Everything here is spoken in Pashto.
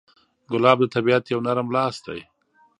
ګلاب د طبیعت یو نرم لاس دی.